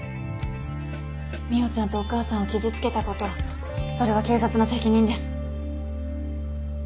未央ちゃんとお母さんを傷つけた事それは警察の責任です。